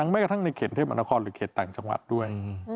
ไม่กระทั่งในเขตเทพมนครหรือเขตต่างจังหวัดด้วย